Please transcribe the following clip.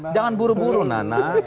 jangan buru buru nana